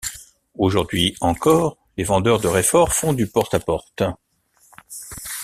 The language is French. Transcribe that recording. Aujourd'hui encore, les vendeurs de raiforts font du porte à porte.